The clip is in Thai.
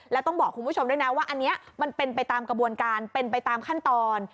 แล้วต้องบอกคุณผู้ชมด้วยนะว่าอันนี้มันเป็นไปตามกระบวนการเป็นไปตามขั้นตอน